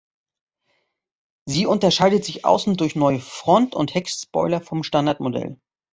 Sie unterscheidet sich außen durch neue Front- und Heckspoiler vom Standardmodell.